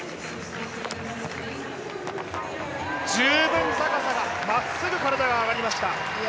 十分高さが、まっすぐ体が上がりました。